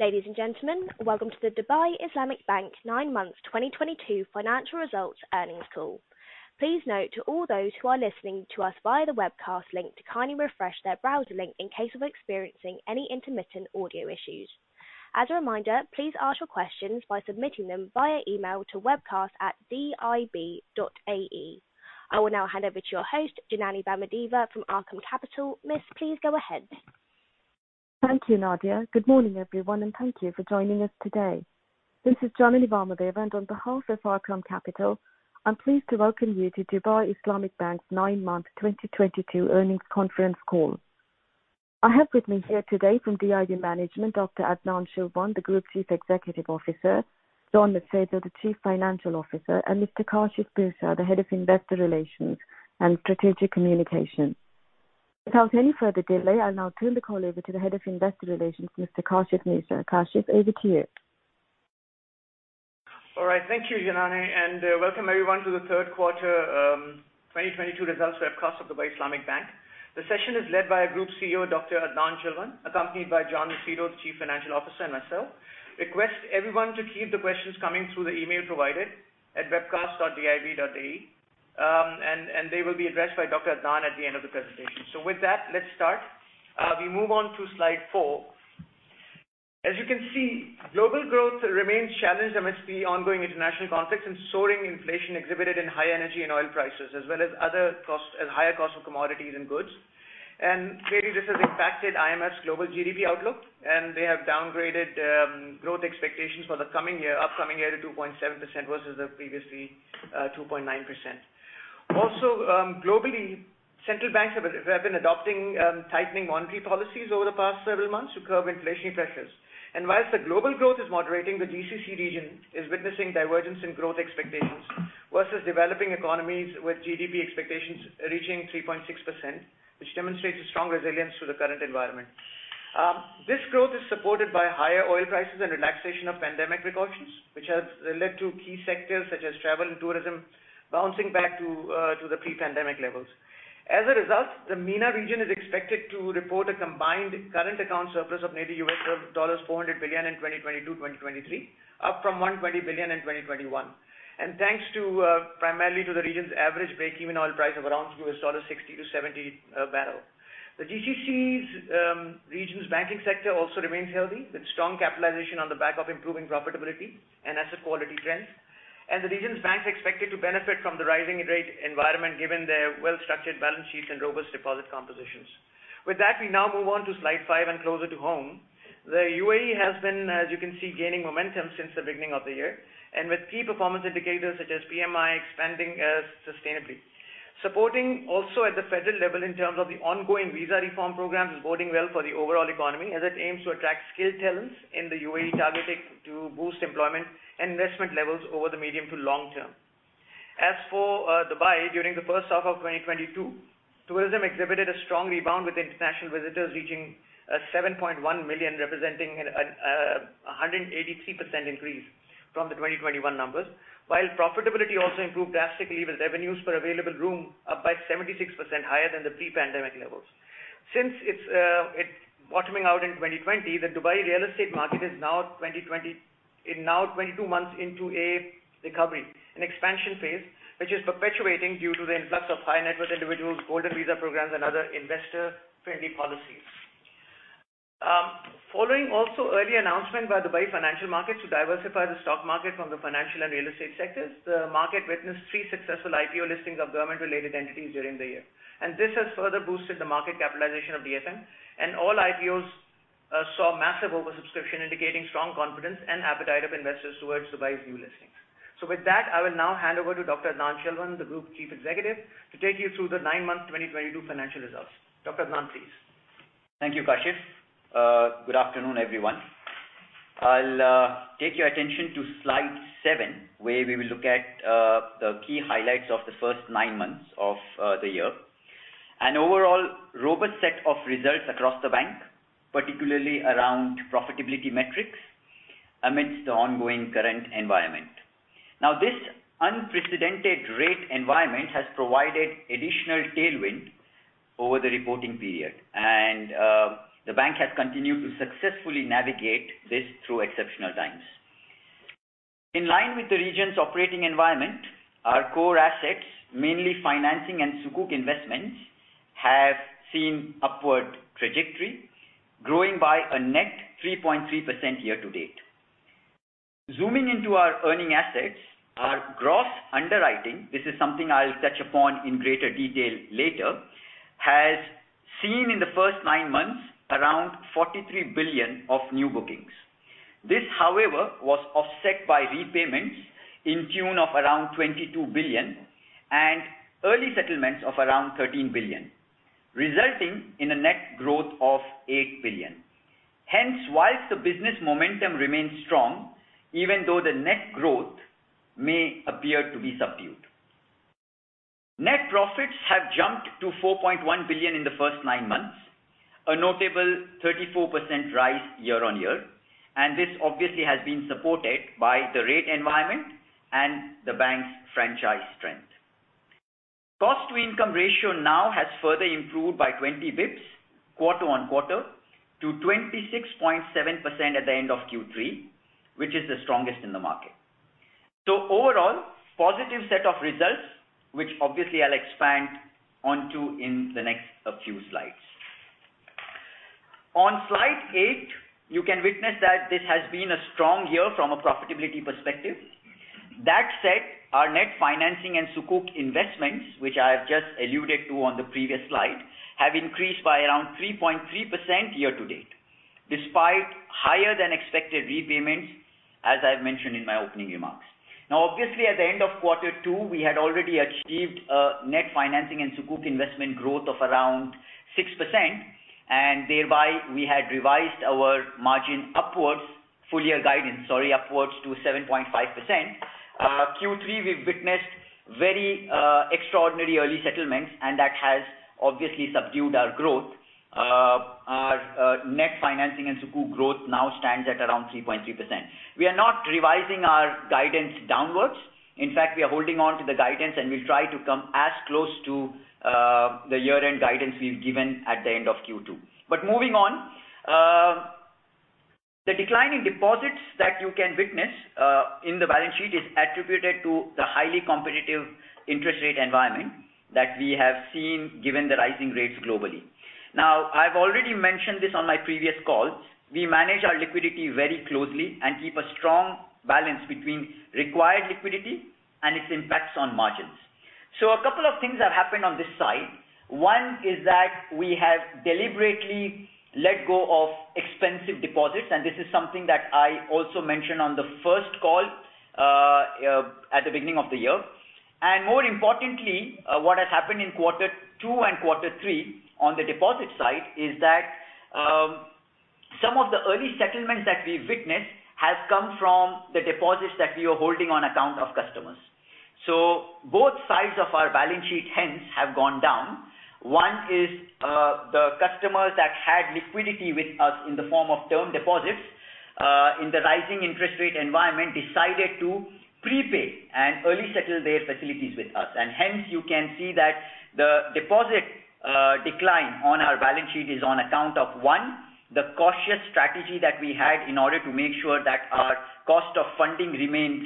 Ladies and gentlemen, welcome to the Dubai Islamic Bank nine months 2022 financial results earnings call. Please note to all those who are listening to us via the webcast link to kindly refresh their browser link in case of experiencing any intermittent audio issues. As a reminder, please ask your questions by submitting them via email to webcast@dib.ae. I will now hand over to your host, Janany Vamadeva from Arqaam Capital. Miss, please go ahead. Thank you, Nadia. Good morning, everyone, and thank you for joining us today. This is Janany Vamadeva, and on behalf of Arqaam Capital, I'm pleased to welcome you to Dubai Islamic Bank's nine-month 2022 earnings conference call. I have with me here today from DIB management, Dr. Adnan Chilwan, the Group Chief Executive Officer, Kashif, thank you, Janany, and welcome everyone to the third quarter 2022 results webcast of Dubai Islamic Bank. The session is led by our Group CEO, Dr. Adnan Chilwan, accompanied by Kashif Clearly, this has impacted IMF's global GDP outlook, and they have downgraded growth expectations for the upcoming year to 2.7% versus the previously 2.9%. Also, globally, central banks have been adopting tightening monetary policies over the past several months to curb inflation pressures. While the global growth is moderating, the GCC region is witnessing divergence in growth expectations versus developing economies, with GDP expectations reaching 3.6%, which demonstrates a strong resilience to the current environment. This growth is supported by higher oil prices and relaxation of pandemic precautions, which has led to key sectors such as travel and tourism bouncing back to the pre-pandemic levels. As a result, the MENA region is expected to report a combined current account surplus of nearly $400 billion in 2022, 2023, up from 120 billion in 2021. Thanks to, primarily to the region's average break-even oil price of around $60-$70 barrel. The GCC's region's banking sector also remains healthy, with strong capitalization on the back of improving profitability and asset quality trends. The region's banks are expected to benefit from the rising rate environment given their well-structured balance sheets and robust deposit compositions. With that, we now move on to slide five and closer to home. The UAE has been, as you can see, gaining momentum since the beginning of the year and with key performance indicators such as PMI expanding sustainably. Supporting also at the federal level in terms of the ongoing visa reform programs is boding well for the overall economy as it aims to attract skilled talents in the UAE, targeting to boost employment and investment levels over the medium to long term. As for Dubai, during the first half of 2022, tourism exhibited a strong rebound with international visitors reaching 7.1 million, representing a 183% increase from the 2021 numbers. While profitability also improved drastically, with revenues per available room up by 76% higher than the pre-pandemic levels. Since its bottoming out in 2020, the Dubai real estate market is now 22 months into a recovery and expansion phase, which is perpetuating due to the influx of high-net-worth individuals, golden visa programs and other investor-friendly policies. Following also early announcement by Dubai Financial Market to diversify the stock market from the financial and real estate sectors, the market witnessed three successful IPO listings of government-related entities during the year. This has further boosted the market capitalization of DFM, and all IPOs saw massive oversubscription, indicating strong confidence and appetite of investors towards Dubai's new listings. With that, I will now hand over to Dr. Adnan Chilwan, the Group Chief Executive, to take you through the nine-month 2022 financial results. Dr. Adnan, please. Thank you, Kashif. Good afternoon, everyone. I'll take your attention to slide seven, where we will look at the key highlights of the first nine months of the year. Overall, robust set of results across the bank, particularly around profitability metrics amidst the ongoing current environment. Now, this unprecedented rate environment has provided additional tailwind over the reporting period, and the bank has continued to successfully navigate this through exceptional times. In line with the region's operating environment, our core assets, mainly financing and Sukuk investments, have seen upward trajectory, growing by a net 3.3% year to date. Zooming into our earning assets, our gross underwriting, this is something I'll touch upon in greater detail later, has seen in the first nine months around 43 billion of new bookings. This, however, was offset by repayments in tune of around 22 billion and early settlements of around 13 billion, resulting in a net growth of 8 billion. Hence, while the business momentum remains strong, even though the net growth may appear to be subdued. Net profits have jumped to 4.1 billion in the first nine months, a notable 34% rise year-on-year, and this obviously has been supported by the rate environment and the bank's franchise strength. Cost to income ratio now has further improved by 20 basis points quarter-on-quarter to 26.7% at the end of Q3, which is the strongest in the market. Overall, positive set of results, which obviously I'll expand onto in the next few slides. On slide 8, you can witness that this has been a strong year from a profitability perspective. That said, our net financing and Sukuk investments, which I have just alluded to on the previous slide, have increased by around 3.3% year-to-date, despite higher than expected repayments, as I've mentioned in my opening remarks. Now, obviously, at the end of quarter two, we had already achieved a net financing and Sukuk investment growth of around 6%, and thereby we had revised our margin upwards full year guidance, sorry, upwards to 7.5%. Q3, we've witnessed very, extraordinary early settlements, and that has obviously subdued our growth. Our net financing and Sukuk growth now stands at around 3.2%. We are not revising our guidance downwards. In fact, we are holding on to the guidance, and we'll try to come as close to, the year-end guidance we've given at the end of Q2. Moving on, the decline in deposits that you can witness in the balance sheet is attributed to the highly competitive interest rate environment that we have seen given the rising rates globally. Now, I've already mentioned this on my previous calls. We manage our liquidity very closely and keep a strong balance between required liquidity and its impacts on margins. A couple of things have happened on this side. One is that we have deliberately let go of expensive deposits, and this is something that I also mentioned on the first call at the beginning of the year. More importantly, what has happened in quarter two and quarter three on the deposit side is that some of the early settlements that we witnessed has come from the deposits that we were holding on account of customers. Both sides of our balance sheet, hence, have gone down. One is the customers that had liquidity with us in the form of term deposits in the rising interest rate environment, decided to prepay and early settle their facilities with us. Hence, you can see that the deposit decline on our balance sheet is on account of, one, the cautious strategy that we had in order to make sure that our cost of funding remains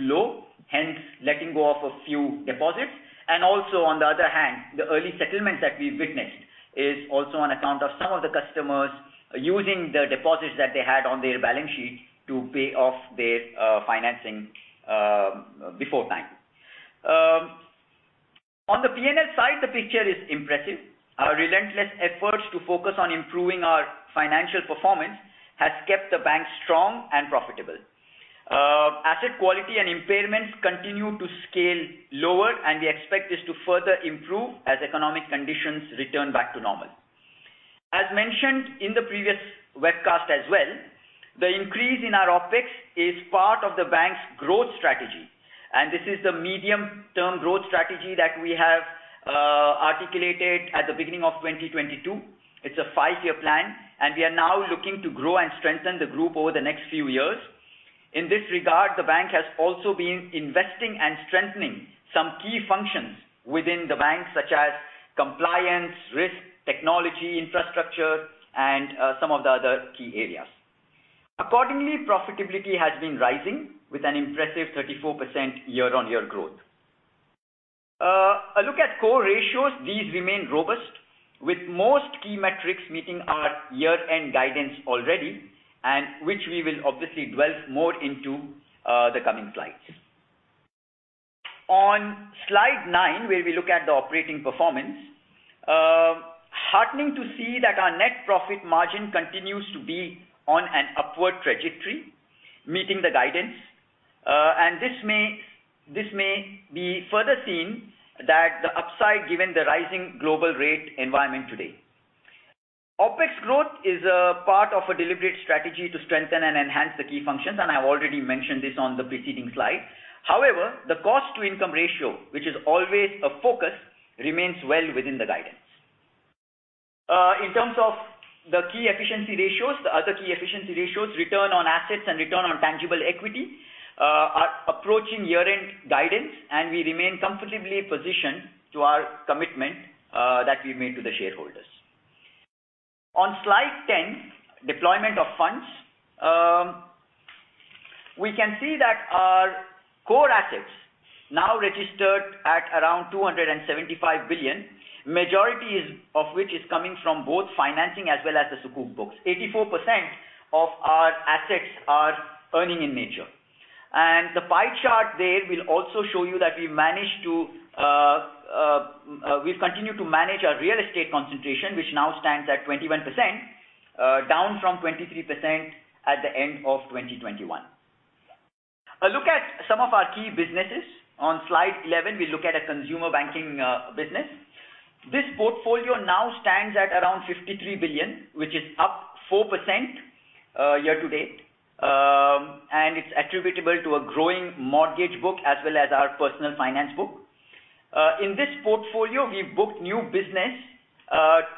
low, hence letting go of a few deposits. Also, on the other hand, the early settlements that we've witnessed is also on account of some of the customers using the deposits that they had on their balance sheet to pay off their financing before time. On the P&L side, the picture is impressive. Our relentless efforts to focus on improving our financial performance has kept the bank strong and profitable. Asset quality and impairments continue to scale lower, and we expect this to further improve as economic conditions return back to normal. As mentioned in the previous webcast as well, the increase in our OpEx is part of the bank's growth strategy. This is the medium-term growth strategy that we have, articulated at the beginning of 2022. It's a five-year plan, and we are now looking to grow and strengthen the group over the next few years. In this regard, the bank has also been investing and strengthening some key functions within the bank, such as compliance, risk, technology, infrastructure, and some of the other key areas. Accordingly, profitability has been rising with an impressive 34% year-on-year growth. A look at core ratios. These remain robust with most key metrics meeting our year-end guidance already, and which we will obviously delve more into, the coming slides. On slide nine, where we look at the operating performance. Heartening to see that our net profit margin continues to be on an upward trajectory, meeting the guidance. This may be further seen that the upside given the rising global rate environment today. OpEx growth is a part of a deliberate strategy to strengthen and enhance the key functions, and I've already mentioned this on the preceding slide. However, the cost to income ratio, which is always a focus, remains well within the guidance. In terms of the key efficiency ratios, return on assets and return on tangible equity, are approaching year-end guidance, and we remain comfortably positioned to our commitment that we made to the shareholders. On slide 10, deployment of funds. We can see that our core assets now registered at around 275 billion, majority of which is coming from both financing as well as the Sukuk books. 84% of our assets are earning in nature. The pie chart there will also show you that we've continued to manage our real estate concentration, which now stands at 21%, down from 23% at the end of 2021. A look at some of our key businesses. On slide 11, we look at a consumer banking business. This portfolio now stands at around 53 billion, which is up 4%, year to date. It's attributable to a growing mortgage book as well as our personal finance book. In this portfolio, we've booked new business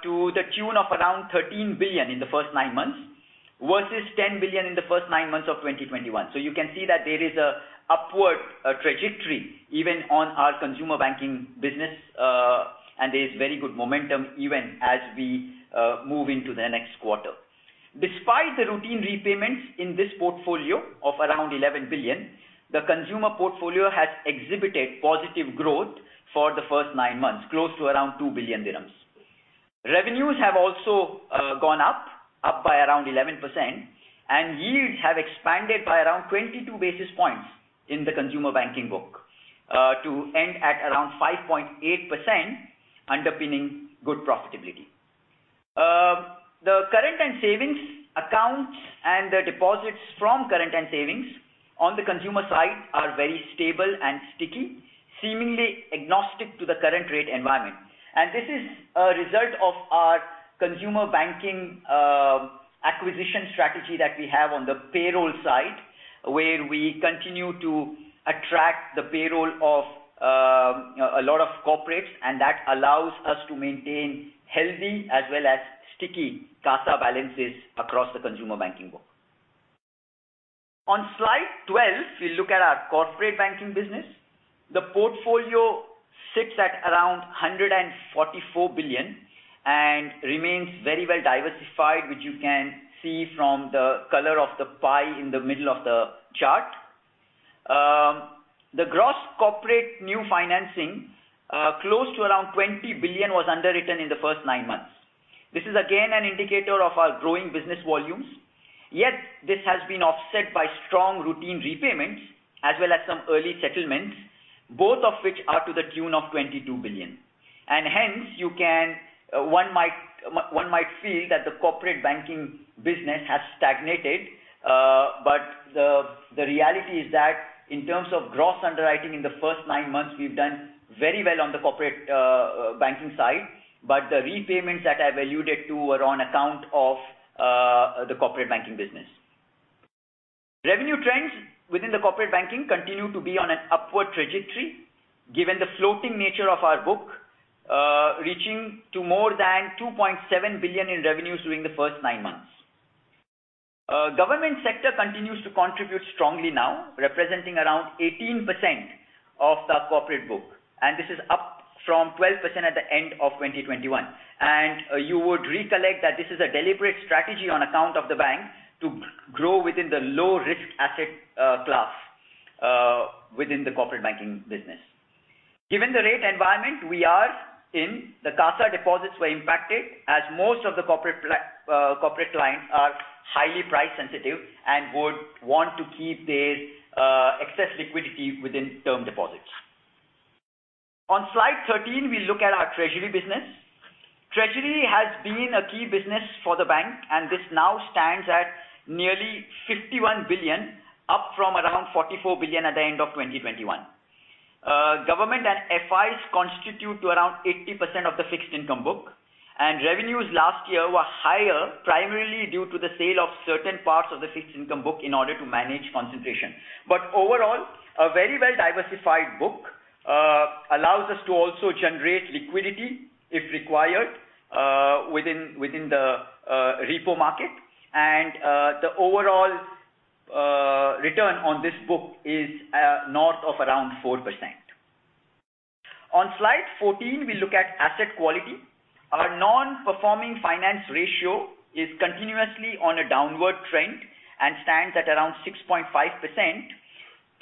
to the tune of around 13 billion in the first nine months. Versus 10 billion in the first nine months of 2021. You can see that there is an upward trajectory even on our consumer banking business, and there's very good momentum even as we move into the next quarter. Despite the routine repayments in this portfolio of around 11 billion, the consumer portfolio has exhibited positive growth for the first nine months, close to around 2 billion. Revenues have also gone up by around 11%, and yields have expanded by around 22 basis points in the consumer banking book to end at around 5.8% underpinning good profitability. The current and savings accounts and the deposits from current and savings on the consumer side are very stable and sticky, seemingly agnostic to the current rate environment. This is a result of our consumer banking acquisition strategy that we have on the payroll side, where we continue to attract the payroll of a lot of corporates, and that allows us to maintain healthy as well as sticky CASA balances across the consumer banking book. On slide 12, we look at our corporate banking business. The portfolio sits at around 144 billion and remains very well diversified, which you can see from the color of the pie in the middle of the chart. The gross corporate new financing close to around 20 billion was underwritten in the first nine months. This is again an indicator of our growing business volumes. This has been offset by strong routine repayments as well as some early settlements, both of which are to the tune of 22 billion. One might feel that the corporate banking business has stagnated. The reality is that in terms of gross underwriting in the first nine months, we've done very well on the corporate banking side. The repayments that I alluded to were on account of the corporate banking business. Revenue trends within the corporate banking continue to be on an upward trajectory given the floating nature of our book, reaching to more than 2.7 billion in revenues during the first 9 months. Government sector continues to contribute strongly now, representing around 18% of the corporate book, and this is up from 12% at the end of 2021. You would recollect that this is a deliberate strategy on account of the bank to grow within the low-risk asset class within the corporate banking business. Given the rate environment we are in, the CASA deposits were impacted as most of the corporate clients are highly price sensitive and would want to keep their excess liquidity within term deposits. On slide 13, we look at our treasury business. Treasury has been a key business for the bank, and this now stands at nearly 51 billion, up from around 44 billion at the end of 2021. Government and FIs constitute around 80% of the fixed income book, and revenues last year were higher, primarily due to the sale of certain parts of the fixed income book in order to manage concentration. Overall, a very well-diversified book allows us to also generate liquidity if required within the repo market. The overall return on this book is north of around 4%. On slide 14, we look at asset quality. Our non-performing financing ratio is continuously on a downward trend and stands at around 6.5%,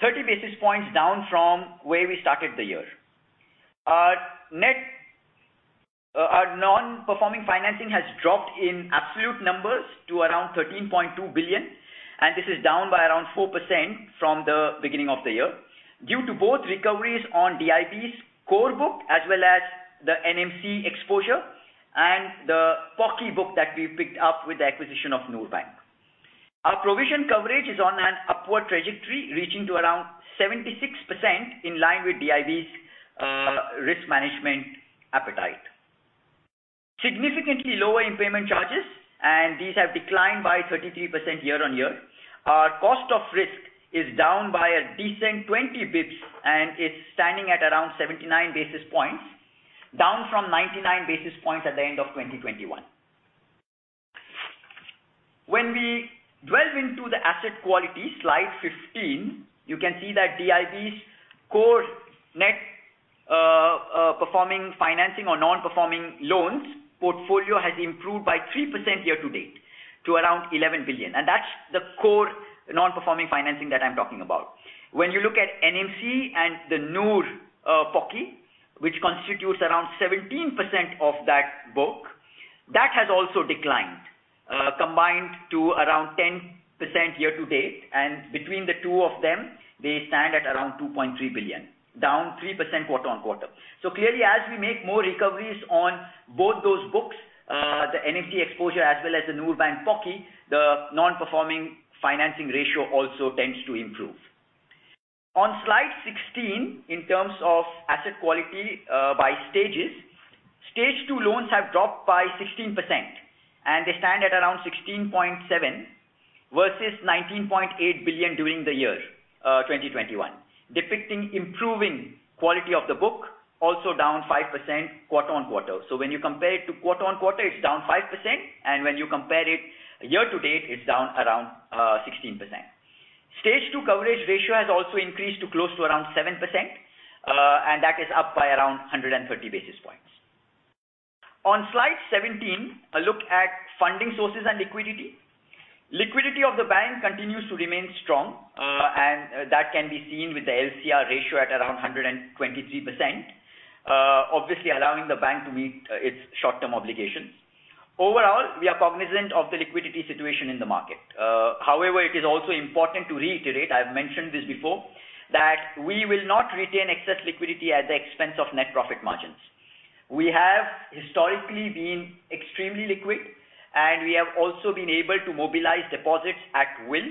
30 basis points down from where we started the year. Our non-performing financing has dropped in absolute numbers to around 13.2 billion, and this is down by around 4% from the beginning of the year due to both recoveries on DIB's core book as well as the NMC exposure and the POCI book that we picked up with the acquisition of Noor Bank. Our provision coverage is on an upward trajectory, reaching to around 76% in line with DIB's risk management appetite. Significantly lower impairment charges, and these have declined by 33% year-on-year. Our cost of risk is down by a decent 20 basis points and is standing at around 79 basis points, down from 99 basis points at the end of 2021. When we delve into the asset quality, slide 15, you can see that DIB's core non-performing financing or non-performing loans portfolio has improved by 3% year-to-date to around 11 billion. That's the core non-performing financing that I'm talking about. When you look at NMC and the Noor Bank POCI, which constitutes around 17% of that book, that has also declined, combined to around 10% year-to-date. Between the two of them, they stand at around 2.3 billion, down 3% quarter-on-quarter. Clearly, as we make more recoveries on both those books, the NMC exposure as well as the Noor Bank POCI, the non-performing financing ratio also tends to improve. On slide 16, in terms of asset quality, by stages, stage two loans have dropped by 16% and they stand at around 16.7 billion versus 19.8 billion during the year 2021. Depicting improving quality of the book, also down 5% quarter-on-quarter. When you compare it to quarter-on-quarter, it's down 5%, and when you compare it year to date, it's down around 16%. Stage two coverage ratio has also increased to close to around 7%, and that is up by around 130 basis points. On slide 17, a look at funding sources and liquidity. Liquidity of the bank continues to remain strong, and that can be seen with the LCR ratio at around 123%. Obviously allowing the bank to meet its short-term obligations. Overall, we are cognizant of the liquidity situation in the market. However, it is also important to reiterate, I've mentioned this before, that we will not retain excess liquidity at the expense of net profit margins. We have historically been extremely liquid, and we have also been able to mobilize deposits at will,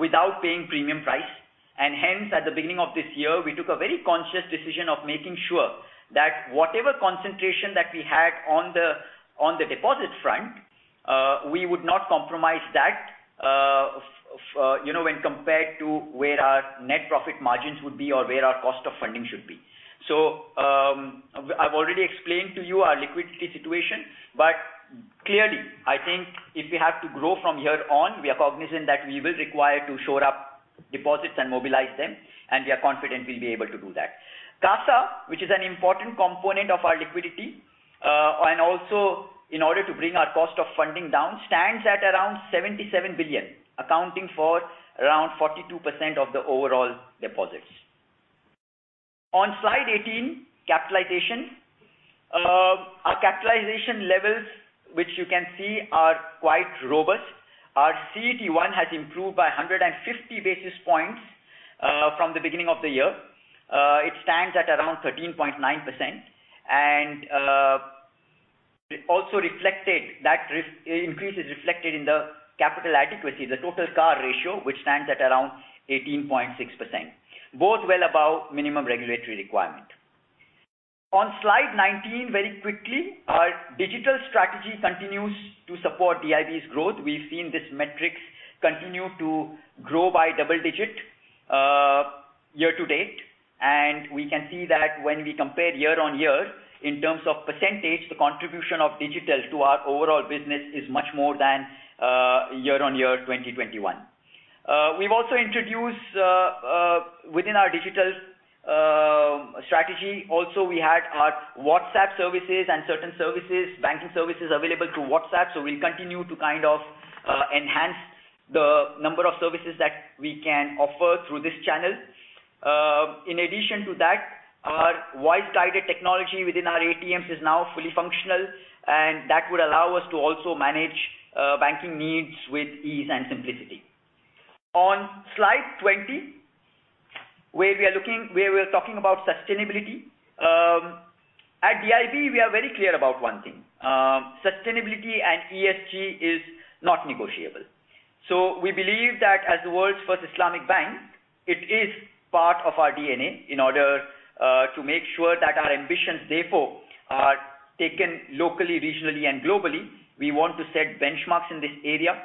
without paying premium price. Hence, at the beginning of this year, we took a very conscious decision of making sure that whatever concentration that we had on the deposit front, we would not compromise that, you know, when compared to where our net profit margins would be or where our cost of funding should be. I've already explained to you our liquidity situation, but clearly, I think if we have to grow from here on, we are cognizant that we will require to shore up deposits and mobilize them, and we are confident we'll be able to do that. CASA, which is an important component of our liquidity, and also in order to bring our cost of funding down, stands at around 77 billion, accounting for around 42% of the overall deposits. On slide 18, capitalization. Our capitalization levels, which you can see are quite robust. Our CET1 has improved by 150 basis points from the beginning of the year. It stands at around 13.9%. It also reflected that increase is reflected in the capital adequacy, the total CAR ratio, which stands at around 18.6%, both well above minimum regulatory requirement. On slide 19, very quickly, our digital strategy continues to support DIB's growth. We've seen these metrics continue to grow by double-digit year to date, and we can see that when we compare year-on-year in terms of percentage, the contribution of digital to our overall business is much more than year-on-year 2021. We've also introduced within our digital strategy also, we had our WhatsApp services and certain services, banking services available through WhatsApp, so we'll continue to kind of enhance the number of services that we can offer through this channel. In addition to that, our voice guided technology within our ATMs is now fully functional, and that would allow us to also manage banking needs with ease and simplicity. On slide 20, where we are talking about sustainability. At DIB, we are very clear about one thing. Sustainability and ESG is not negotiable. We believe that as the world's first Islamic bank, it is part of our DNA in order to make sure that our ambitions therefore are taken locally, regionally and globally. We want to set benchmarks in this area,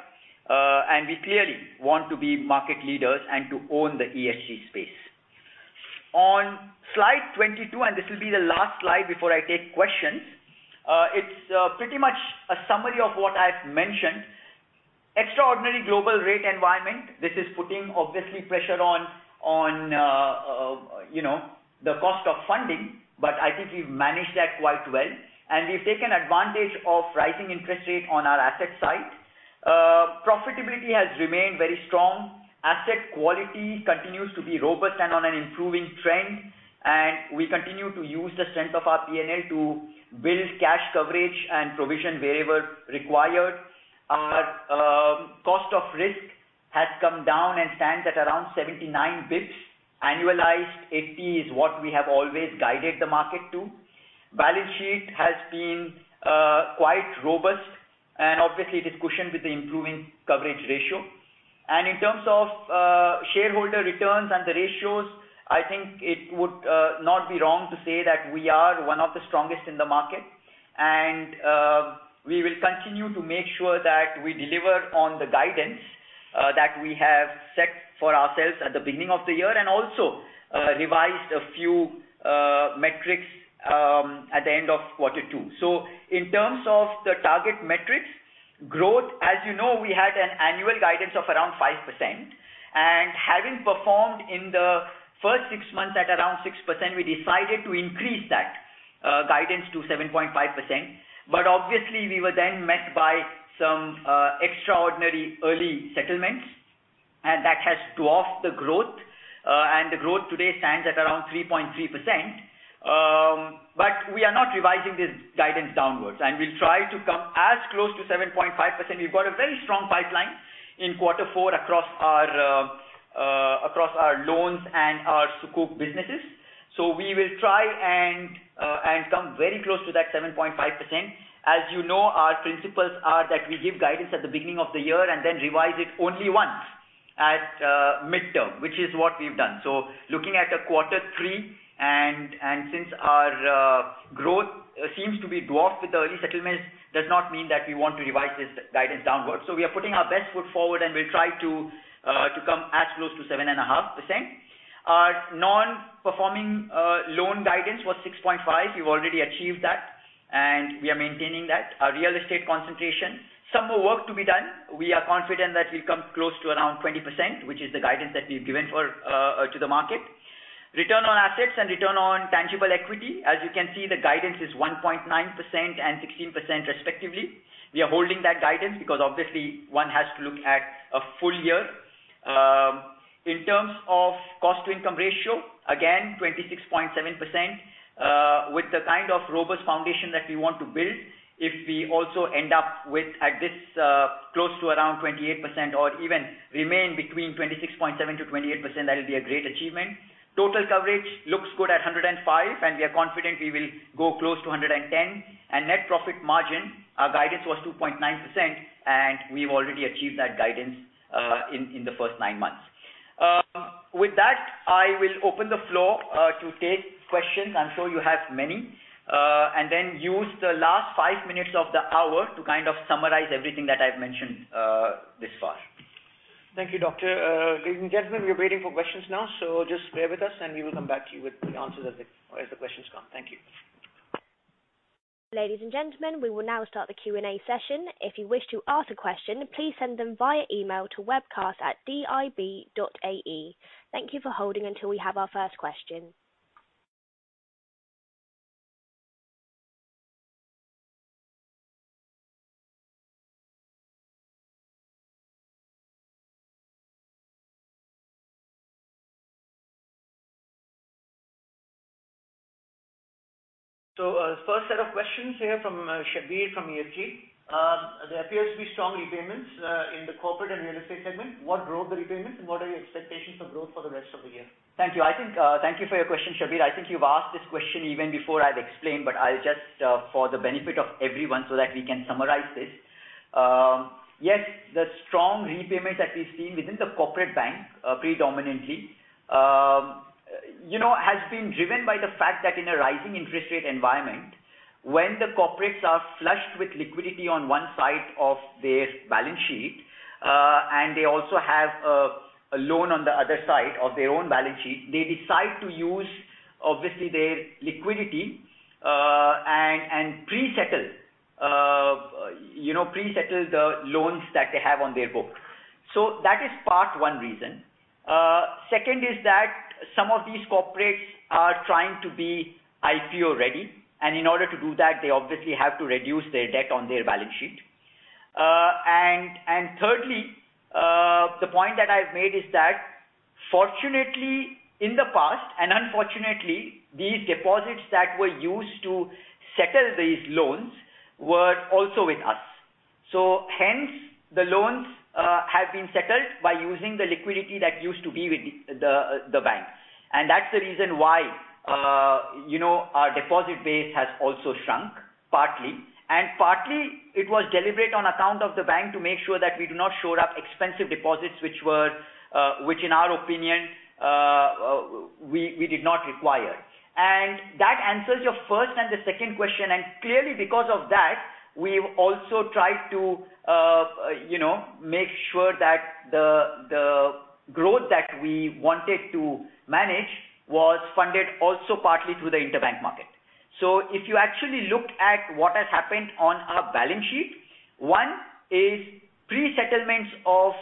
and we clearly want to be market leaders and to own the ESG space. On slide 22, and this will be the last slide before I take questions. It's pretty much a summary of what I've mentioned. Extraordinary global rate environment. This is putting obviously pressure on you know the cost of funding, but I think we've managed that quite well. We've taken advantage of rising interest rate on our asset side. Profitability has remained very strong. Asset quality continues to be robust and on an improving trend, and we continue to use the strength of our P&L to build cash coverage and provision wherever required. Our cost of risk has come down and stands at around 79 basis points. Annualized 80 is what we have always guided the market to. Balance sheet has been quite robust and obviously it is cushioned with the improving coverage ratio. In terms of shareholder returns and the ratios, I think it would not be wrong to say that we are one of the strongest in the market. We will continue to make sure that we deliver on the guidance that we have set for ourselves at the beginning of the year and also revise a few metrics at the end of quarter two. In terms of the target metrics, growth, as you know, we had an annual guidance of around 5%. Having performed in the first six months at around 6%, we decided to increase that guidance to 7.5%. Obviously we were then met by some extraordinary early settlements, and that has dwarfed the growth. The growth today stands at around 3.3%. We are not revising this guidance downwards, and we'll try to come as close to 7.5%. We've got a very strong pipeline in quarter four across our loans and our Sukuk businesses. We will try and come very close to that 7.5%. As you know, our principles are that we give guidance at the beginning of the year and then revise it only once. At midterm, which is what we've done. Looking at quarter three and since our growth seems to be dwarfed with early settlements, does not mean that we want to revise this guidance downwards. We are putting our best foot forward, and we'll try to come as close to 7.5%. Our non-performing loan guidance was 6.5%. We've already achieved that, and we are maintaining that. Our real estate concentration. Some more work to be done. We are confident that we'll come close to around 20%, which is the guidance that we've given for to the market. Return on assets and return on tangible equity. As you can see, the guidance is 1.9% and 16% respectively. We are holding that guidance because obviously one has to look at a full year. In terms of cost to income ratio, again, 26.7%, with the kind of robust foundation that we want to build. If we also end up with at this close to around 28% or even remain between 26.7%-28%, that'll be a great achievement. Total coverage looks good at 105%, and we are confident we will go close to 110%. Net profit margin, our guidance was 2.9%, and we've already achieved that guidance in the first nine months. With that, I will open the floor to take questions. I'm sure you have many. Use the last five minutes of the hour to kind of summarize everything that I've mentioned this far. Thank you, Doctor. Ladies and gentlemen, we are waiting for questions now, so just bear with us, and we will come back to you with the answers as the questions come. Thank you. Ladies and gentlemen, we will now start the Q&A session. If you wish to ask a question, please send them via email to webcast@dib.ae. Thank you for holding until we have our first question. First set of questions here from Shabbir Merchant from EFG Hermes. There appears to be strong repayments in the corporate and real estate segment. What drove the repayments, and what are your expectations for growth for the rest of the year? Thank you. I think, thank you for your question, Shabbir Merchant. I think you've asked this question even before I've explained, but I'll just, for the benefit of everyone so that we can summarize this. Yes, the strong repayment that we've seen within the corporate bank, predominantly, you know, has been driven by the fact that in a rising interest rate environment, when the corporates are flushed with liquidity on one side of their balance sheet, and they also have, a loan on the other side of their own balance sheet, they decide to use obviously their liquidity, and pre-settle, you know, the loans that they have on their books. That is part one reason. Second is that some of these corporates are trying to be IPO ready, and in order to do that, they obviously have to reduce their debt on their balance sheet. And thirdly, the point that I've made is that fortunately in the past and unfortunately these deposits that were used to settle these loans were also with us. Hence, the loans have been settled by using the liquidity that used to be with the bank. That's the reason why, you know, our deposit base has also shrunk, partly. Partly it was deliberate on account of the bank to make sure that we do not shore up expensive deposits, which in our opinion, we did not require. That answers your first and the second question. Clearly because of that, we've also tried to you know make sure that the growth that we wanted to manage was funded also partly through the interbank market. If you actually look at what has happened on our balance sheet, one is pre-settlements of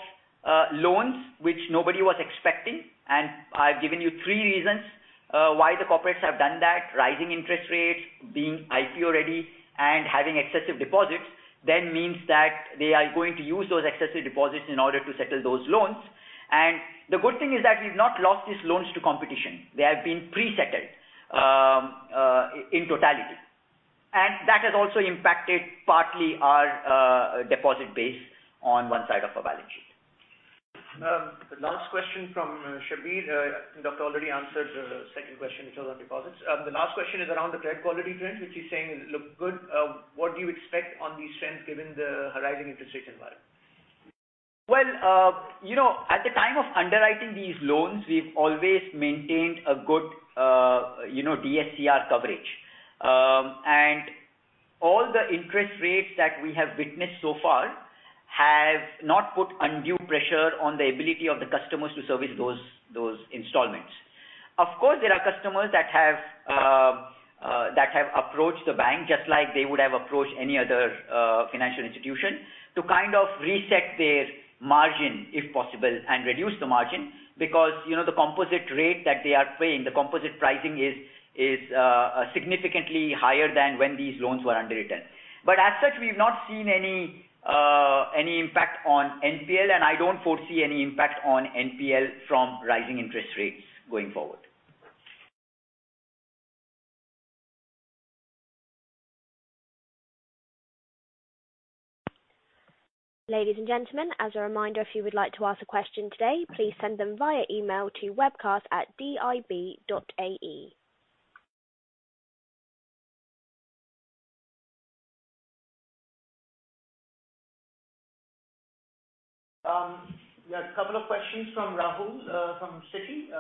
loans which nobody was expecting. I've given you three reasons why the corporates have done that. Rising interest rates, being IPO ready and having excessive deposits then means that they are going to use those excessive deposits in order to settle those loans. The good thing is that we've not lost these loans to competition. They have been pre-settled in totality. That has also impacted partly our deposit base on one side of our balance sheet. The last question from Shabbir Merchant. I think doctor already answered the second question, which was on deposits. The last question is around the credit quality trend, which he's saying look good. What do you expect on these trends given the rising interest rate environment? Well, you know, at the time of underwriting these loans, we've always maintained a good, you know, DSCR coverage. All the interest rates that we have witnessed so far have not put undue pressure on the ability of the customers to service those installments. Of course, there are customers that have approached the bank just like they would have approached any other financial institution to kind of reset their margin, if possible, and reduce the margin because, you know, the composite rate that they are paying, the composite pricing is significantly higher than when these loans were underwritten. As such, we've not seen any impact on NPL, and I don't foresee any impact on NPL from rising interest rates going forward. Ladies and gentlemen, as a reminder, if you would like to ask a question today, please send them via email to webcast@dib.ae. We have a couple of questions from Rahul from Citi.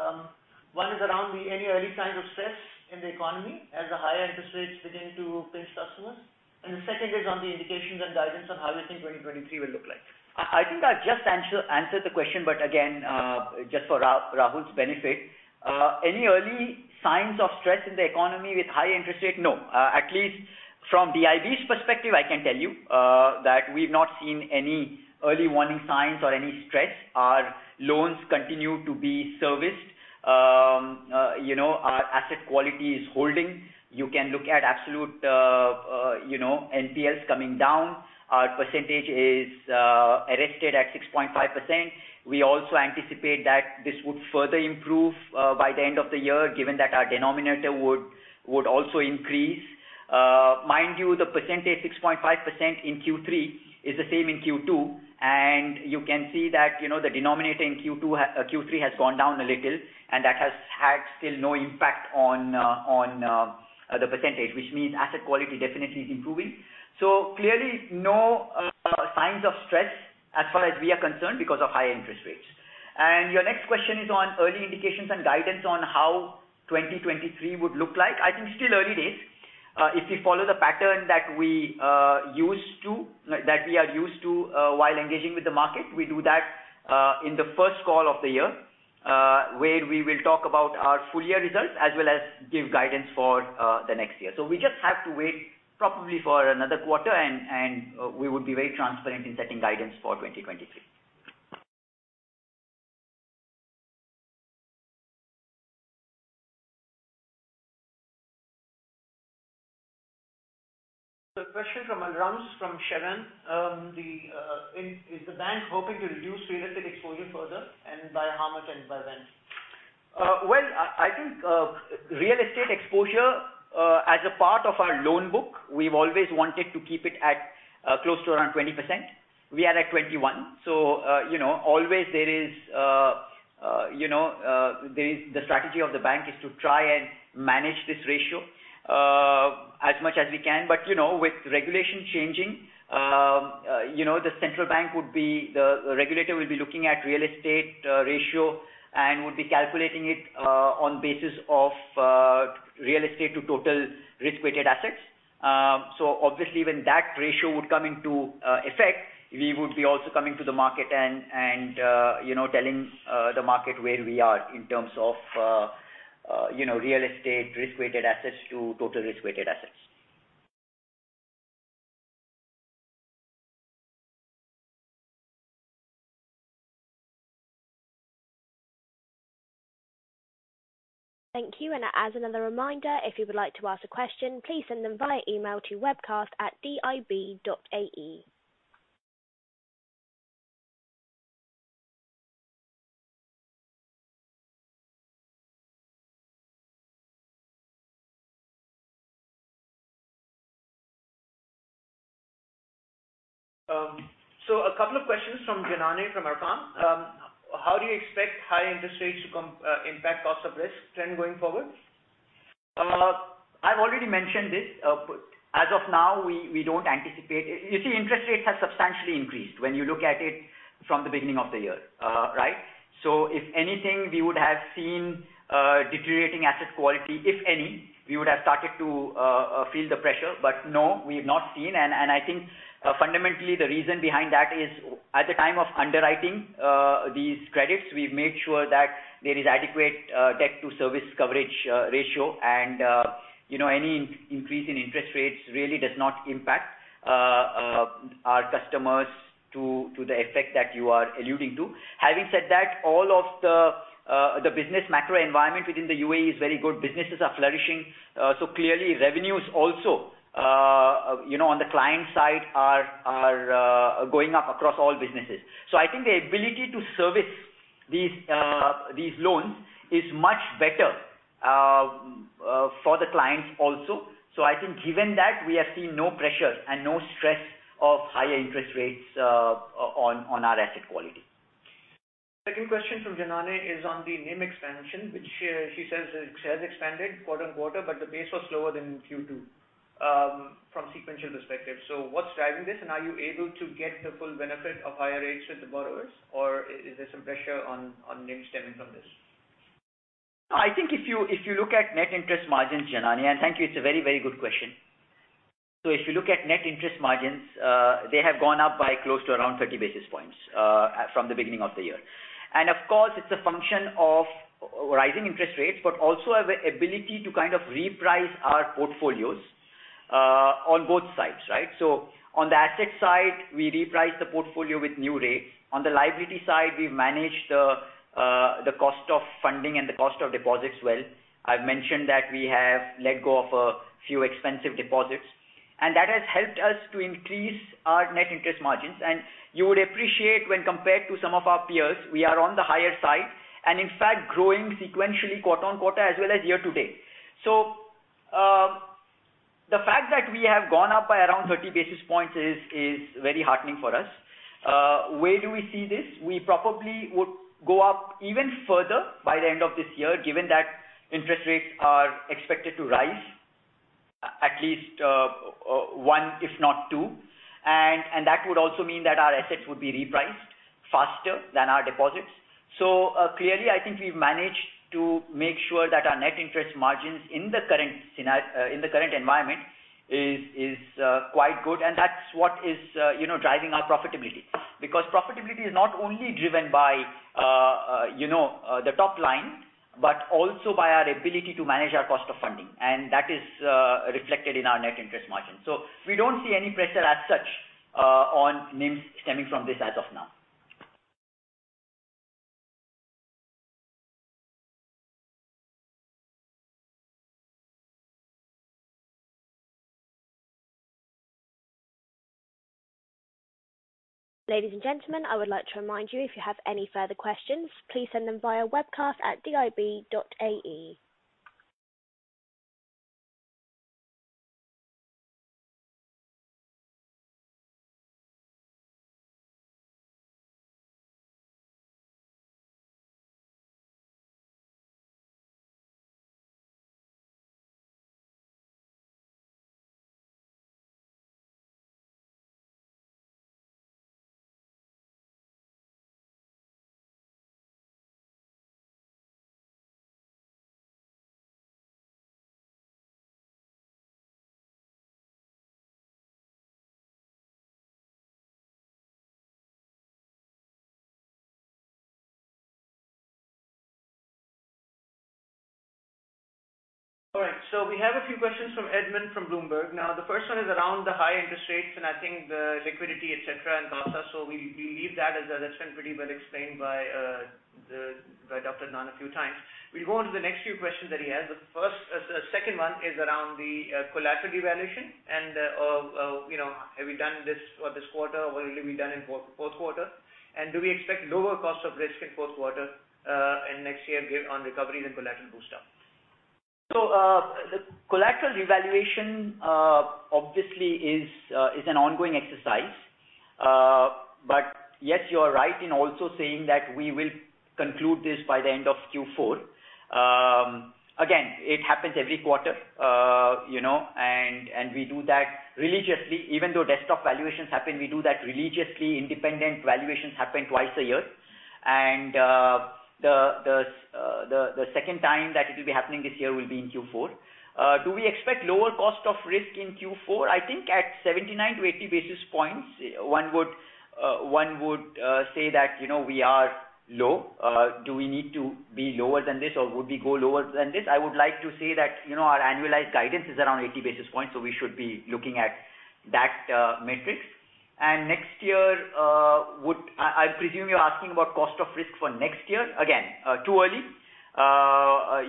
One is around any early signs of stress in the economy as the higher interest rates begin to pinch customers. The second is on the indications and guidance on how you think 2023 will look like. I think I just answered the question, but again, just for Rahul's benefit. Any early signs of stress in the economy with high interest rate? No. At least from DIB's perspective, I can tell you that we've not seen any early warning signs or any stress. Our loans continue to be serviced. You know, our asset quality is holding. You can look at absolute, you know, NPLs coming down. Our percentage is arrested at 6.5%. We also anticipate that this would further improve by the end of the year, given that our denominator would also increase. Mind you, the percentage 6.5% in Q3 is the same in Q2. You can see that the denominator in Q2, Q3 has gone down a little, and that has had still no impact on the percentage, which means asset quality definitely is improving. Clearly, no signs of stress as far as we are concerned because of high interest rates. Your next question is on early indications and guidance on how 2023 would look like. I think it's still early days. If we follow the pattern that we are used to while engaging with the market, we do that in the first call of the year where we will talk about our full year results as well as give guidance for the next year. We just have to wait probably for another quarter and we would be very transparent in setting guidance for 2023. The question from Naresh Natarajan. Is the bank hoping to reduce real estate exposure further? By how much? By when? Well, I think real estate exposure as a part of our loan book, we've always wanted to keep it at close to around 20%. We are at 21%. You know, always there is you know there is the strategy of the bank is to try and manage this ratio as much as we can. You know, with regulation changing, you know, the regulator will be looking at real estate ratio and would be calculating it on basis of real estate to total risk-weighted assets. Obviously when that ratio would come into effect, we would be also coming to the market and you know telling the market where we are in terms of you know real estate risk-weighted assets to total risk-weighted assets. Thank you. As another reminder, if you would like to ask a question, please send them via email to webcast@dib.ae. A couple of questions from Janany Vamadeva from Arqaam Capital. How do you expect high interest rates to impact cost of risk trend going forward? I've already mentioned this. As of now, we don't anticipate. You see, interest rates have substantially increased when you look at it from the beginning of the year. Right? If anything, we would have seen deteriorating asset quality, if any. We would have started to feel the pressure. No, we have not seen. I think fundamentally the reason behind that is at the time of underwriting these credits, we've made sure that there is adequate debt service coverage ratio. You know, any increase in interest rates really does not impact our customers to the effect that you are alluding to. Having said that, all of the business macro environment within the UAE is very good. Businesses are flourishing. Clearly revenues also, you know, on the client side are going up across all businesses. I think the ability to service these loans is much better for the clients also. I think given that, we have seen no pressures and no stress of higher interest rates on our asset quality. Second question from Janany is on the NIM expansion, which she says it has expanded quarter-over-quarter, but the pace was slower than Q2 from sequential perspective. What's driving this? And are you able to get the full benefit of higher rates with the borrowers or is there some pressure on NIM stemming from this? I think if you look at net interest margins, Janany, and thank you, it's a very, very good question. If you look at net interest margins, they have gone up by close to around 30 basis points from the beginning of the year. Of course, it's a function of rising interest rates, but also our ability to kind of reprice our portfolios on both sides, right? On the asset side, we reprice the portfolio with new rates. On the liability side, we've managed the cost of funding and the cost of deposits well. I've mentioned that we have let go of a few expensive deposits, and that has helped us to increase our net interest margins. You would appreciate when compared to some of our peers, we are on the higher side and in fact growing sequentially quarter-on-quarter as well as year-to-date. The fact that we have gone up by around 30 basis points is very heartening for us. Where do we see this? We probably would go up even further by the end of this year, given that interest rates are expected to rise at least one if not two. That would also mean that our assets would be repriced faster than our deposits. Clearly, I think we've managed to make sure that our net interest margins in the current environment is quite good, and that's what is, you know, driving our profitability. Because profitability is not only driven by, you know, the top line, but also by our ability to manage our cost of funding, and that is, reflected in our net interest margin. We don't see any pressure as such, on NIMs stemming from this as of now. Ladies and gentlemen, I would like to remind you if you have any further questions. Please send them via webcast@dib.ae. All right, we have a few questions from Edmund from Bloomberg. Now, the first one is around the high interest rates, and I think the liquidity, et cetera, and CASA. We leave that as that's been pretty well explained by Dr. Adnan a few times. We'll go on to the next few questions that he has. First, second one is around the collateral revaluation and, you know, have we done this for this quarter or will it be done in fourth quarter? Do we expect lower cost of risk in fourth quarter and next year given recoveries and collateral boost up? The collateral revaluation obviously is an ongoing exercise. Yes, you're right in also saying that we will conclude this by the end of Q4. Again, it happens every quarter, you know, and we do that religiously. Even though desktop valuations happen, we do that religiously. Independent valuations happen twice a year. The second time that it will be happening this year will be in Q4. Do we expect lower cost of risk in Q4? I think at 79-80 basis points, one would say that, you know, we are low. Do we need to be lower than this, or would we go lower than this? I would like to say that, you know, our annualized guidance is around 80 basis points, so we should be looking at that matrix. I presume you're asking about cost of risk for next year. Again, too early.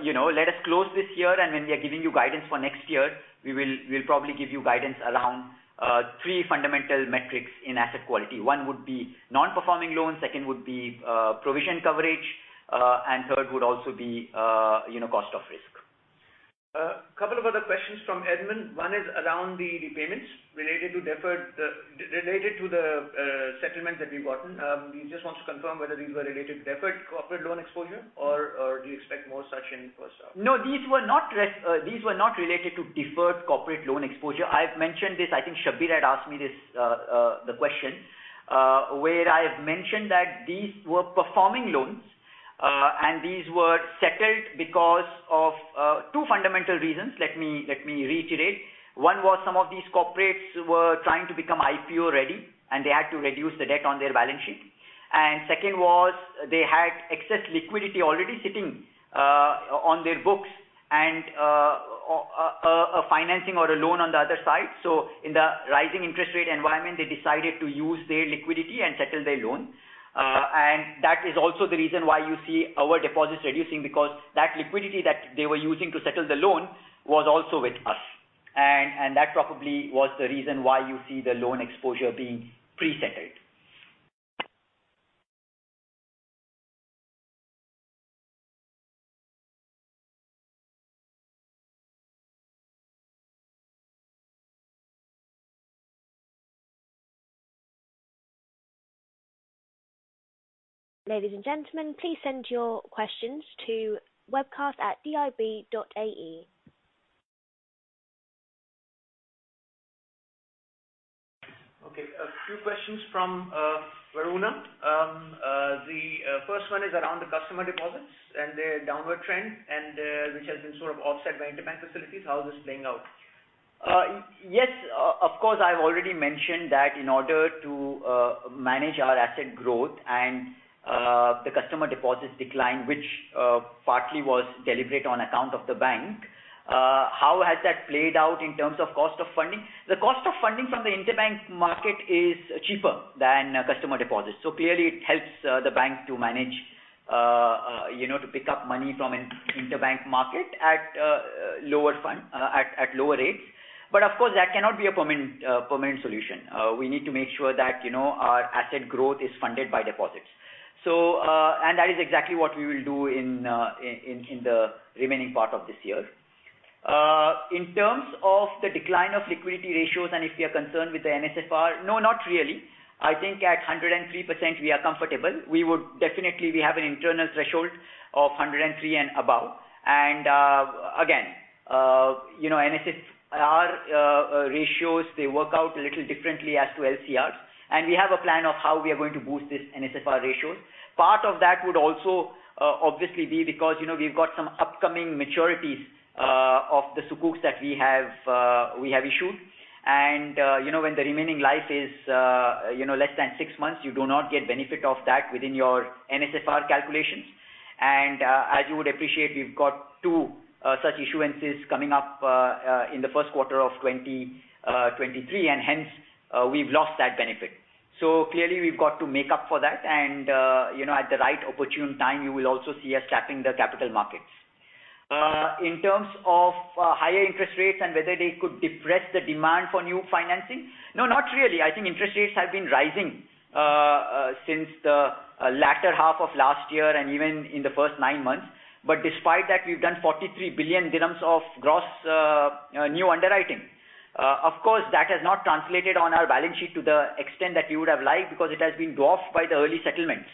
You know, let us close this year, and when we are giving you guidance for next year, we'll probably give you guidance around three fundamental metrics in asset quality. One would be non-performing loans, second would be provision coverage, and third would also be you know, cost of risk. A couple of other questions from Edmund. One is around the repayments related to the settlement that we've gotten. He just wants to confirm whether these were related to deferred corporate loan exposure or do you expect more such in first half? No, these were not related to deferred corporate loan exposure. I've mentioned this. I think Shabbir Merchant had asked me this, the question, where I have mentioned that these were performing loans, and these were settled because of two fundamental reasons. Let me reiterate. One was some of these corporates were trying to become IPO ready, and they had to reduce the debt on their balance sheet. Second was they had excess liquidity already sitting on their books and a financing or a loan on the other side. In the rising interest rate environment, they decided to use their liquidity and settle their loan. That is also the reason why you see our deposits reducing because that liquidity that they were using to settle the loan was also with us. That probably was the reason why you see the loan exposure being pre-settled. Ladies and gentlemen, please send your questions to webcast@dib.ae. Okay. A few questions from Varun. The first one is around the customer deposits and their downward trend and which has been sort of offset by interbank facilities. How is this playing out? Yes, of course, I've already mentioned that in order to manage our asset growth and the customer deposits decline, which partly was deliberate on account of the bank, how has that played out in terms of cost of funding? The cost of funding from the interbank market is cheaper than customer deposits. Clearly it helps the bank to manage, you know, to pick up money from an interbank market at lower rates. Of course, that cannot be a permanent solution. We need to make sure that, you know, our asset growth is funded by deposits. That is exactly what we will do in the remaining part of this year. In terms of the decline of liquidity ratios, and if we are concerned with the NSFR. No, not really. I think at 103% we are comfortable. We would definitely have an internal threshold of 103% and above. Again, you know, NSFR ratios, they work out a little differently as to LCRs. We have a plan of how we are going to boost this NSFR ratio. Part of that would also obviously be because, you know, we've got some upcoming maturities of the Sukuks that we have issued. You know, when the remaining life is, you know, less than six months, you do not get benefit of that within your NSFR calculations. As you would appreciate, we've got two such issuances coming up in the first quarter of 2023, and hence, we've lost that benefit. Clearly we've got to make up for that. You know, at the right opportune time, you will also see us tapping the capital markets. In terms of higher interest rates and whether they could depress the demand for new financing. No, not really. I think interest rates have been rising since the latter half of last year and even in the first nine months. Despite that, we've done 43 billion of gross new underwriting. Of course, that has not translated on our balance sheet to the extent that you would have liked, because it has been dwarfed by the early settlements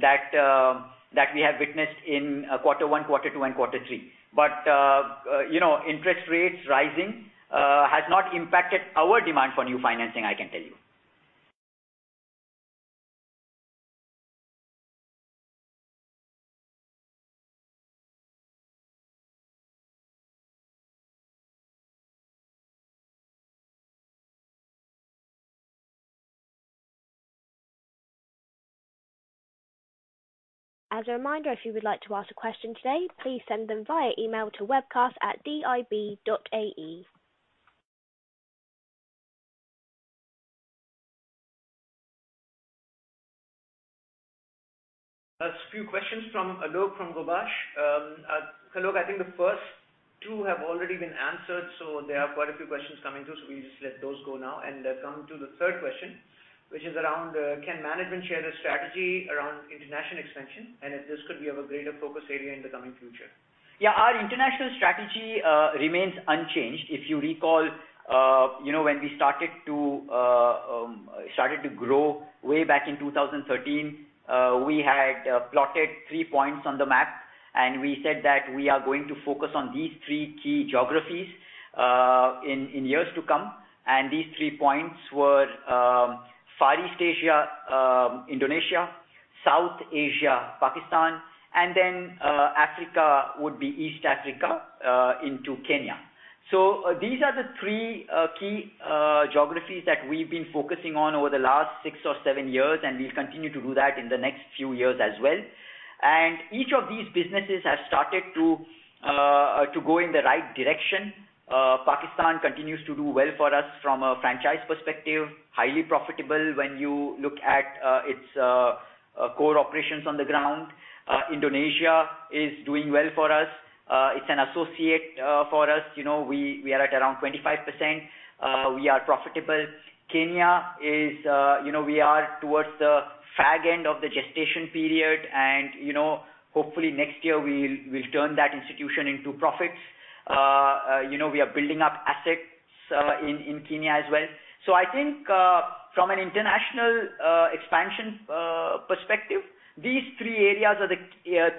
that we have witnessed in quarter one, quarter two, and quarter three. You know, interest rates rising has not impacted our demand for new financing, I can tell you. As a reminder, if you would like to ask a question today, please send them via email to webcast@dib.ae. A few questions from Alok Deshpande from Robeco. Alok Deshpande, I think the first two have already been answered, so there are quite a few questions coming through. We'll just let those go now and come to the third question, which is around can management share the strategy around international expansion? And if this could be of a greater focus area in the coming future? Yeah, our international strategy remains unchanged. If you recall, you know, when we started to grow way back in 2013, we had plotted three points on the map, and we said that we are going to focus on these three key geographies in years to come. These three points were Far East Asia, Indonesia, South Asia, Pakistan, and then Africa would be East Africa into Kenya. These are the three key geographies that we've been focusing on over the last six or seven years, and we'll continue to do that in the next few years as well. Each of these businesses have started to go in the right direction. Pakistan continues to do well for us from a franchise perspective, highly profitable when you look at its core operations on the ground. Indonesia is doing well for us. It's an associate for us. You know, we are at around 25%. We are profitable. Kenya is, you know, we are towards the fag end of the gestation period and, you know, hopefully next year we'll turn that institution into profits. You know, we are building up assets in Kenya as well. I think from an international expansion perspective, these three areas are the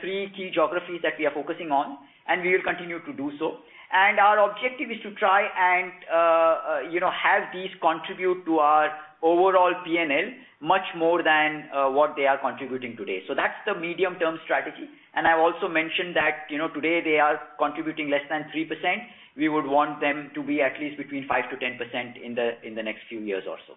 three key geographies that we are focusing on, and we will continue to do so. Our objective is to try and, you know, have these contribute to our overall P&L much more than what they are contributing today. That's the medium-term strategy. I've also mentioned that, you know, today they are contributing less than 3%. We would want them to be at least between 5%-10% in the next few years or so.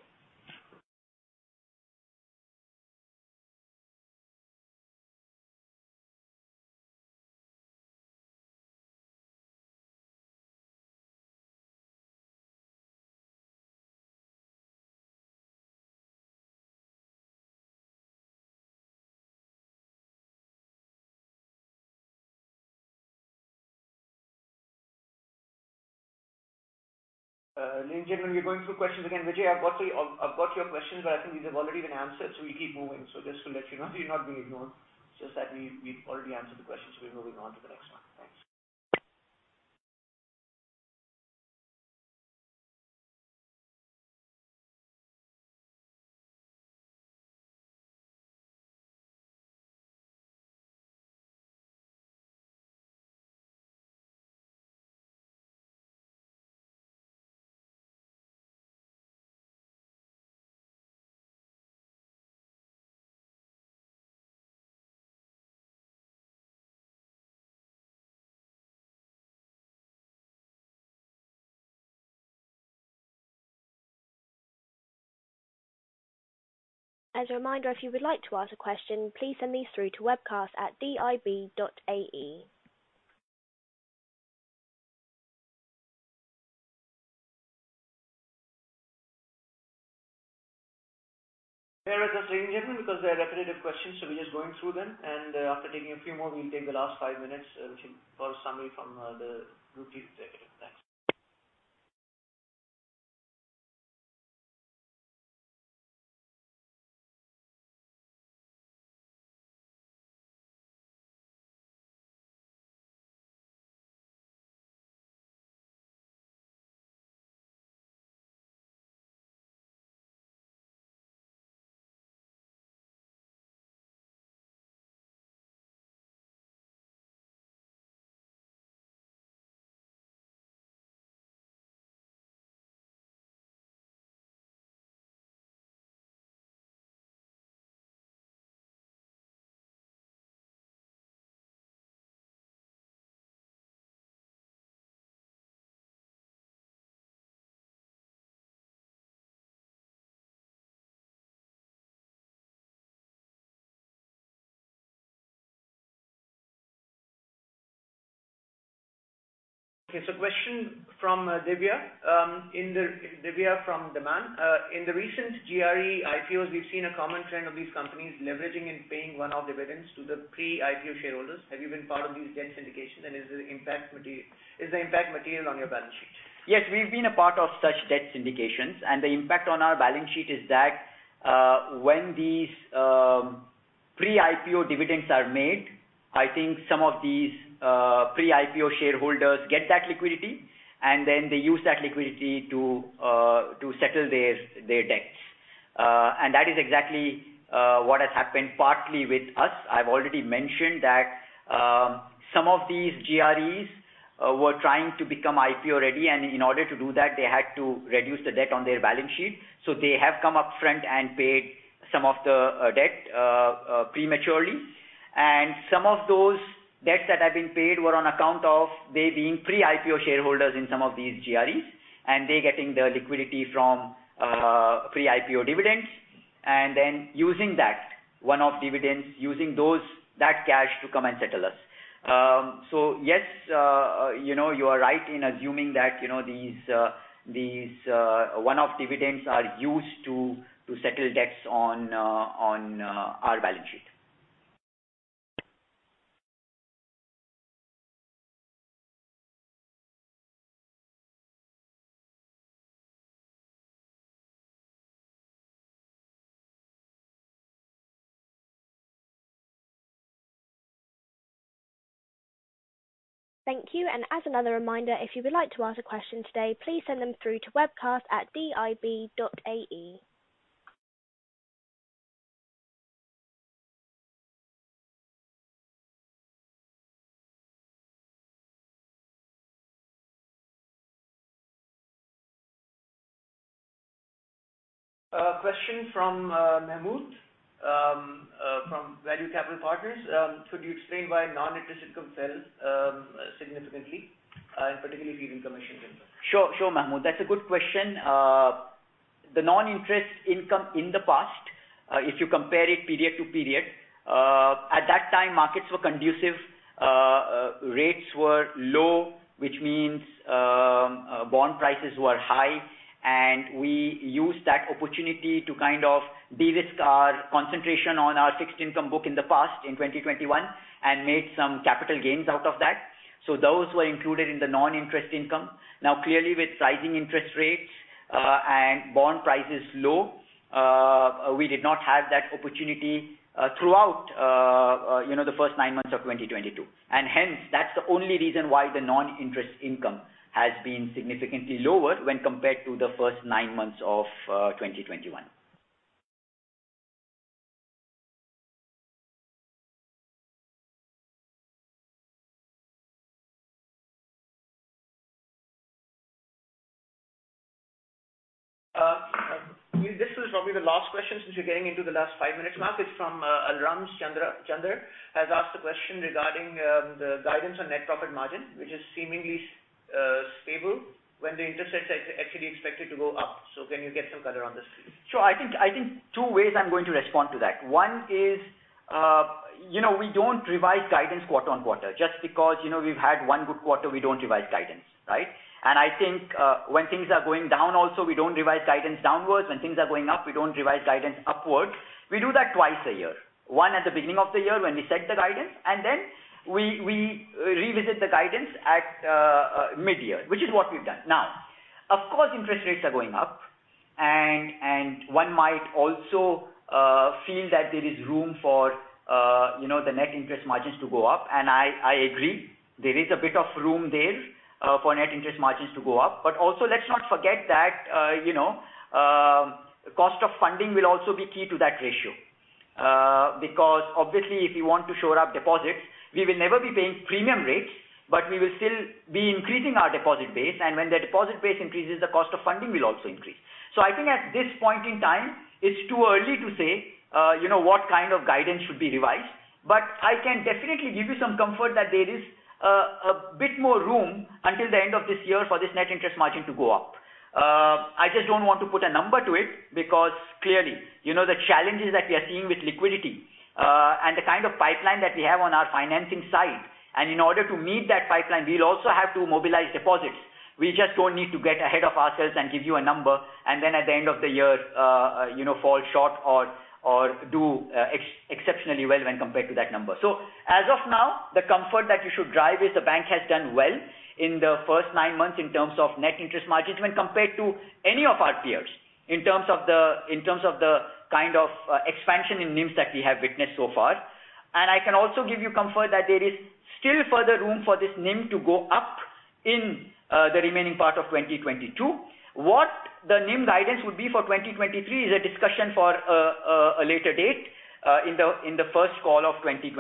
Ladies and gentlemen, we are going through questions again. Vijay, I've got your questions, but I think these have already been answered, so we keep moving. Just to let you know, you're not being ignored. It's just that we've already answered the question, so we're moving on to the next one. Thanks. As a reminder, if you would like to ask a question, please send these through to webcast@dib.ae. Ladies and gentlemen, because they are repetitive questions, so we're just going through them. After taking a few more, we'll take the last five minutes, which will follow a summary from the group chief executive. Question from Devesh Divya from Daman Investments. In the recent GRE IPOs, we've seen a common trend of these companies leveraging and paying one-off dividends to the pre-IPO shareholders. Have you been part of these debt syndications, and is the impact material on your balance sheet? Yes, we've been a part of such debt syndications, and the impact on our balance sheet is that, when these pre-IPO dividends are made, I think some of these pre-IPO shareholders get that liquidity, and then they use that liquidity to settle their debts. That is exactly what has happened partly with us. I've already mentioned that, some of these GREs were trying to become IPO ready, and in order to do that, they had to reduce the debt on their balance sheet. They have come up front and paid some of the debt prematurely. Some of those debts that have been paid were on account of they being pre-IPO shareholders in some of these GREs, and they getting the liquidity from pre-IPO dividends, and then using that cash to come and settle us. Yes, you know, you are right in assuming that, you know, these one-off dividends are used to settle debts on our balance sheet. Thank you. As another reminder, if you would like to ask a question today, please send them through to webcast@dib.ae. A question from Mohamed Al Aradi from Value Capital Partners. Could you explain why non-interest income fell significantly, and particularly fee and commission income? Sure, Mohamed Al Aradi. That's a good question. The non-interest income in the past, if you compare it period to period, at that time, markets were conducive, rates were low, which means, bond prices were high. We used that opportunity to kind of de-risk our concentration on our fixed income book in the past, in 2021, and made some capital gains out of that. Those were included in the non-interest income. Now, clearly, with rising interest rates, and bond prices low, we did not have that opportunity, throughout, you know, the first nine months of 2022. Hence, that's the only reason why the non-interest income has been significantly lower when compared to the first nine months of 2021. This is probably the last question since we're getting into the last five minutes mark. It's from Ramachandra has asked a question regarding the guidance on net profit margin, which is seemingly stable when the interest rates are actually expected to go up. Can you give some color on this, please? Sure. I think two ways I'm going to respond to that. One is, you know, we don't revise guidance quarter on quarter. Just because, you know, we've had one good quarter, we don't revise guidance. Right? I think, when things are going down also, we don't revise guidance downwards. When things are going up, we don't revise guidance upwards. We do that twice a year. One at the beginning of the year when we set the guidance, and then we revisit the guidance at mid-year, which is what we've done. Now, of course, interest rates are going up and one might also feel that there is room for, you know, the net interest margins to go up. I agree. There is a bit of room there for net interest margins to go up. Also, let's not forget that, you know, cost of funding will also be key to that ratio. Because obviously, if you want to shore up deposits, we will never be paying premium rates, but we will still be increasing our deposit base. When the deposit base increases, the cost of funding will also increase. I think at this point in time, it's too early to say, you know, what kind of guidance should be revised. I can definitely give you some comfort that there is, a bit more room until the end of this year for this net interest margin to go up. I just don't want to put a number to it because clearly, you know, the challenges that we are seeing with liquidity, and the kind of pipeline that we have on our financing side, and in order to meet that pipeline, we'll also have to mobilize deposits. We just don't need to get ahead of ourselves and give you a number and then at the end of the year, you know, fall short or do exceptionally well when compared to that number. So as of now, the comfort that you should drive is the bank has done well in the first nine months in terms of net interest margins when compared to any of our peers. In terms of the kind of expansion in NIMs that we have witnessed so far. I can also give you comfort that there is still further room for this NIM to go up in the remaining part of 2022. What the NIM guidance would be for 2023 is a discussion for a later date in the first call of 2023.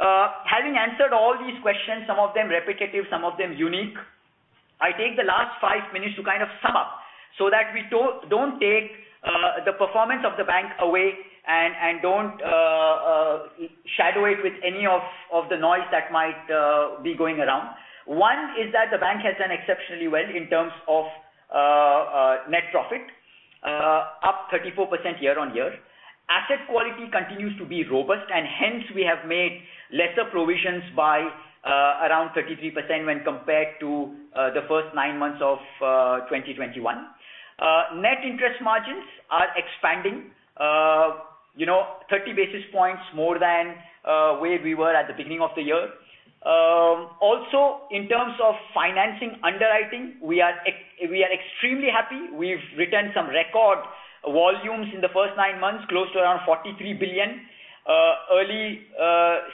Having answered all these questions, some of them repetitive, some of them unique, I take the last five minutes to kind of sum up so that we don't take the performance of the bank away and don't shadow it with any of the noise that might be going around. One is that the bank has done exceptionally well in terms of net profit up 34% year-on-year. Asset quality continues to be robust, and hence we have made lesser provisions by around 33% when compared to the first nine months of 2021. Net interest margins are expanding, you know, 30 basis points more than where we were at the beginning of the year. Also in terms of financing underwriting, we are extremely happy. We've written some record volumes in the first nine months, close to around 43 billion. Early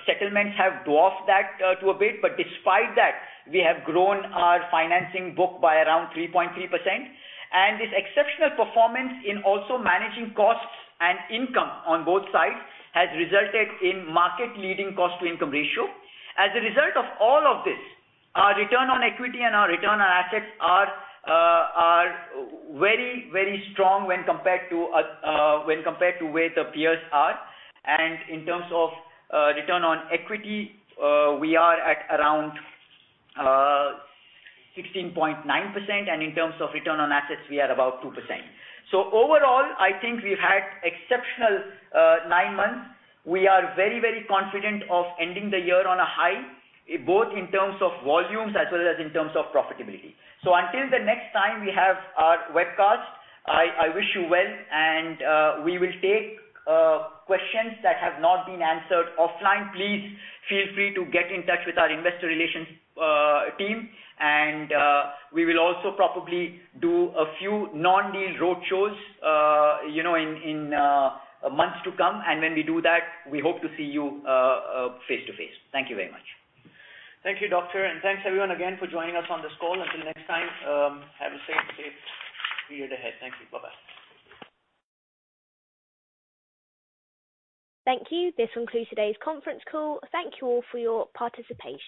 settlements have dwarfed that to a bit, but despite that, we have grown our financing book by around 3.3%. This exceptional performance in also managing costs and income on both sides has resulted in market-leading cost to income ratio. As a result of all of this, our return on equity and our return on assets are very, very strong when compared to where the peers are. In terms of return on equity, we are at around 16.9%, and in terms of return on assets, we are about 2%. Overall, I think we've had exceptional nine months. We are very, very confident of ending the year on a high, both in terms of volumes as well as in terms of profitability. Until the next time we have our webcast, I wish you well. We will take questions that have not been answered offline. Please feel free to get in touch with our investor relations team. We will also probably do a few non-deal roadshows, you know, in months to come. When we do that, we hope to see you face-to-face. Thank you very much. Thank you, doctor, and thanks everyone again for joining us on this call. Until next time, have a safe period ahead. Thank you. Bye-bye. Thank you. This will conclude today's conference call. Thank you all for your participation.